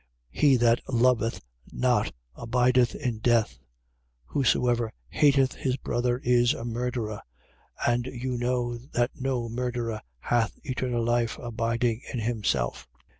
He that loveth not abideth in death. 3:15. Whosoever hateth his brother is a murderer. And you know that no murderer hath eternal life abiding in himself.